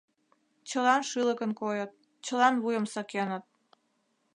Чылан шӱлыкын койыт, чылан вуйым сакеныт.